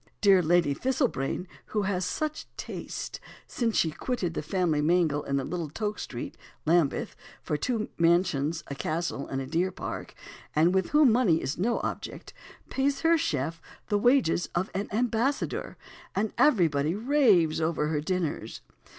Dear Lady Thistlebrain, who has such taste (since she quitted the family mangle in Little Toke Street, Lambeth, for two mansions, a castle, and a deer park), and with whom money is no object, pays her chef the wages of an ambassador, and everybody raves over her dinners.